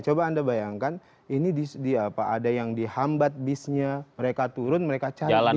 coba anda bayangkan ini ada yang dihambat bisnya mereka turun mereka cari bis